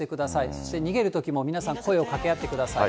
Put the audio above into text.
そして逃げるときも、皆さん声をかけ合ってください。